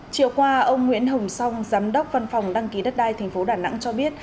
chiều qua ông nguyễn hồng song giám đốc văn phòng đăng ký đất đai tp đà nẵng cho biết